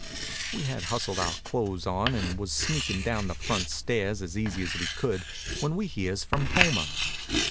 We had hustled our clothes on and was sneakin' down the front stairs as easy as we could when we hears from Homer.